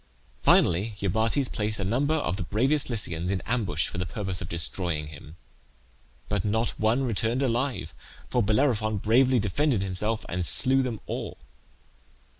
Finally, Iobates placed a number of the bravest Lycians in ambush for the purpose of destroying him, but not one returned alive, for Bellerophon bravely defended himself and slew them all.